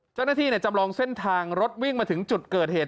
เจ้าหน้าที่จำลองเส้นทางรถวิ่งมาถึงจุดเกิดเหตุ